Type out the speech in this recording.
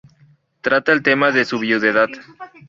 Trata el tema de su viudedad.